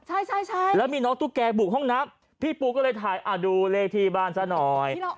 ใช่ใช่แล้วมีน้องตุ๊กแกบุกห้องน้ำพี่ปูก็เลยถ่ายดูเลขที่บ้านซะหน่อย